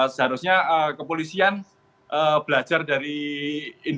seharusnya ke polisi